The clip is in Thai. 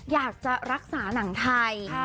อยากจะรักษาหนังไทย